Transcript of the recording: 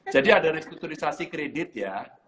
jadi ada restrukturisasi kredit ya